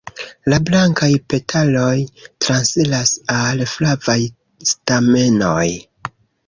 La blankaj petaloj transiras al flavaj stamenoj.